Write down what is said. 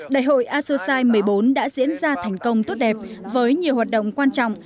đại hội asosai một mươi bốn đã diễn ra thành công tốt đẹp với nhiều hoạt động quan trọng